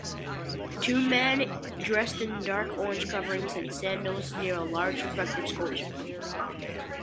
Two men dressed in dark orange coverings and sandals stand near a large reflective sculpture.